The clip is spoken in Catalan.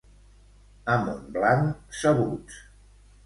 A Montblanc, sabuts.